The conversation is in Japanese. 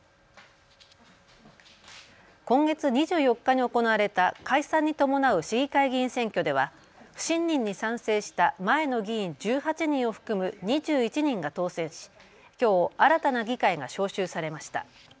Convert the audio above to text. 今月２４日に行われた解散に伴う市議会議員選挙では不信任に賛成した前の議員１８人を含む２１人が当選しきょう新たな議会が招集されました。